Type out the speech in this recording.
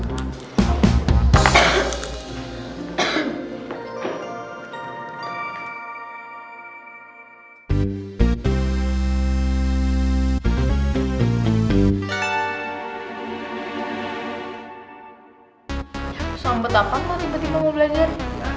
ya sumpet apa lo tiba tiba mau belajar